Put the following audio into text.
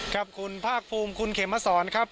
ครับคุณภาคภูมิคุณเขมสอนครับ